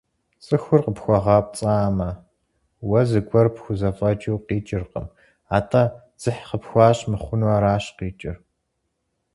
Цӏыхур къыпхуэгъэпцӏамэ, уэ зыгуэр пхузэфӏэкӏыу къикӏыркъым, атӏэ, дзыхь къыпхуащӏ мыхъуну аращ къикӏыр.